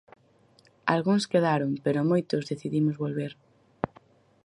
Algúns quedaron, pero moitos decidimos volver.